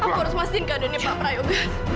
aku harus pastikan keadaan ini pak prayong